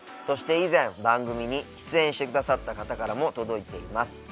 そして以前番組に出演してくださった方からも届いています。